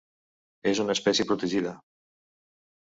És una espècie protegida.